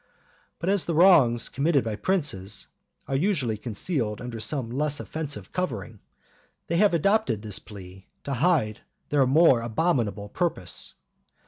But as the wrongs committed by princes are usually concealed under some less offensive covering, they have adopted this plea to hide their more abominable purpose.